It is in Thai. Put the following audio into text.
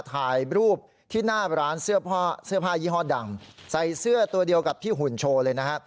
ถ่ายรูปที่หน้าร้านเสื้อผ้ายี่ห้อดังใส่เสื้อตัวเดียวกับที่หุ่นโชว์เลยนะฮะ